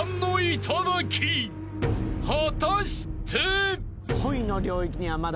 ［果たして？］